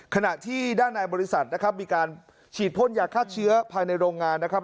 ขณะที่ด้านในบริษัทนะครับมีการฉีดพ่นยาฆ่าเชื้อภายในโรงงานนะครับ